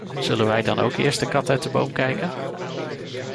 Zullen wij dan ook eerst de kat uit de boom kijken?